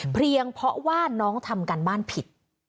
เพราะว่าน้องทำการบ้านผิด